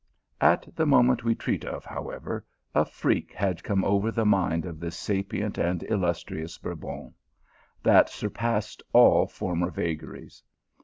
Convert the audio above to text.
At the moment we treat of, however, a freak tod come over the mind of this sapient and illustrious Bcurbon, that surpassed all former vagaries.